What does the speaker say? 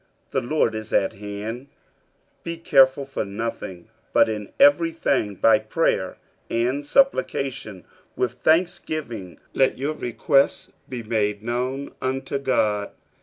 The Lord is at hand. 50:004:006 Be careful for nothing; but in every thing by prayer and supplication with thanksgiving let your requests be made known unto God.